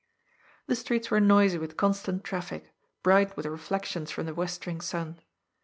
The streets were noisy with constant traffic, bright with reflections from the westering sun.